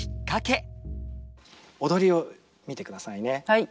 はい。